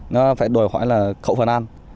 nó phải đổi hỏi là khẩu phần ăn